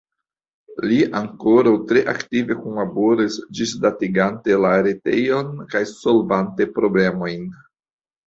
Li ankoraŭ tre aktive kunlaboras, ĝisdatigante la retejon kaj solvante problemojn.